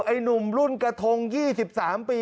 ไอ้หนุ่มรุ่นกระทง๒๓ปี